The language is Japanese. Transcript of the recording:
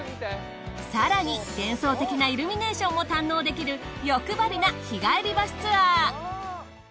更に幻想的なイルミネーションも堪能できる欲張りな日帰りバスツアー。